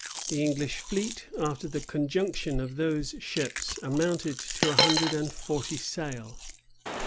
The English fleet, after the conjunction of those ships, amounted to a hundred and forty sail.